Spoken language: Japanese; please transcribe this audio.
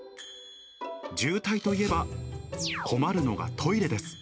渋滞といえば、困るのがトイレです。